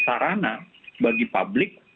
peran bagi publik